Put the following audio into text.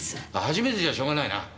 初めてじゃしょうがないな。